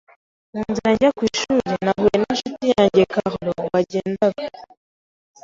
Mu nzira njya ku ishuri, nahuye n'incuti yanjye Karlo, wagendaga.